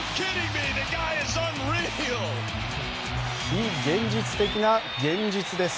非現実的な現実です。